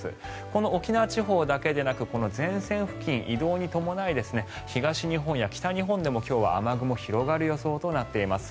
この沖縄地方だけでなく前線付近移動に伴い、東日本や北日本でも今日は雨雲が広がる予想となっています。